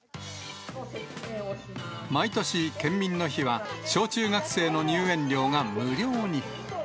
毎年、県民の日は、小中学生の入園料が無料に。